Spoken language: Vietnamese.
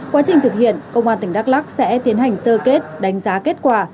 quá trình thực hiện công an tỉnh đắk lắc sẽ tiến hành sơ kết đánh giá kết quả